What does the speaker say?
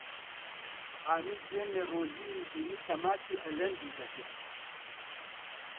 حامید دوێنێ ڕۆژینی بینی کە ماچی ئەلەندی دەکرد.